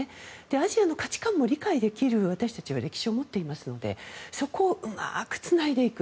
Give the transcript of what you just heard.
アジアの価値観も理解できる私たちは歴史を持っていますのでそこをうまくつないでいく。